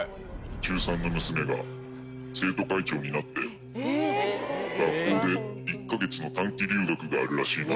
中３の娘が生徒会長になって、学校で１か月の短期留学があるらしいな。